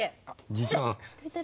じいちゃん。